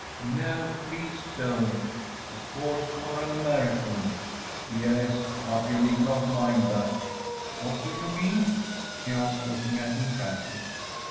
‚ÄĚ “No, please don't. Of course, you are an American?‚ÄĚ “Yes; but you need not mind that.‚ÄĚ “What do you mean?‚ÄĚ she asked, looking at him frankly.